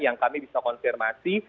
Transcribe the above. yang kami bisa konfirmasi